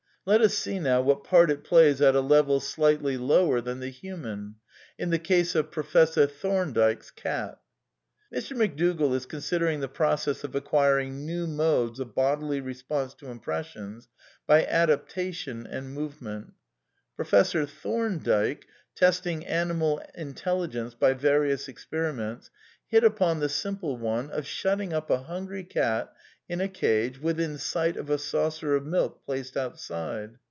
Let us see now what part it plays at a level slightly lower than the human — in the case of Professor Thomdike's Cat Mr. McDougall is considering the process of acquiring " new modes of bodily response to impressions '* by adapta tion and movement. (Body and Mind, Page 318.) Professor Thorndike, testing animal intelligence by various experiments, hit upon the simple one of shutting up a hungry cat in a cage within sight of a saucer of milk placed outside.